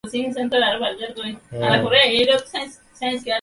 অন্যদিন হেমনলিনীর সহিত দেখা হইতে বড়ো বিলম্ব হইত না।